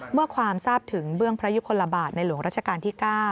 เมื่อความทราบถึงเบื้องพระยุคลบาทในหลวงราชการที่๙